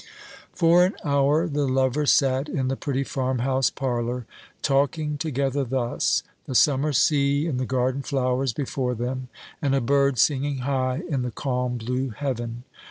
For an hour the lovers sat in the pretty farmhouse parlour talking together thus, the summer sea and the garden flowers before them, and a bird singing high in the calm blue heaven.